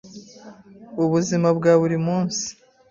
ubuzima bwa buri munsi